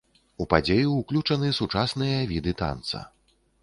У падзею ўключаны сучасныя віды танца.